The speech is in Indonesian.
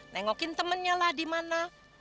nengokin temennya lah di mana